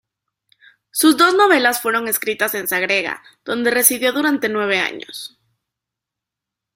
Sus dos novelas fueron escritas en Sagrera, donde residió durante nueve años.